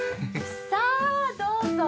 さあどうぞ！